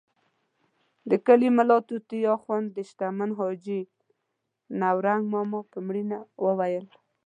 د کلي ملا طوطي اخند د شتمن حاجي نورنګ ماما په مړینه وویل.